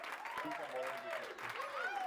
পৃথিবীটা বড়ই বিচিত্র।